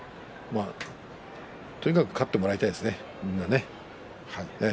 とにかく勝ってもらいたいですね、みんなね。